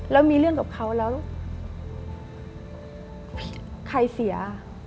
แล้วมีเรื่องกับเขาแล้วใครเสีย